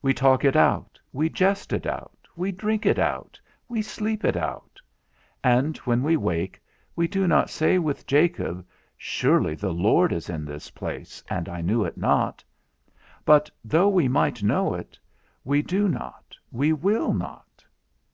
We talk it out, we jest it out, we drink it out, we sleep it out; and when we wake, we do not say with Jacob, Surely the Lord is in this place, and I knew it not: but though we might know it, we do not, we will not.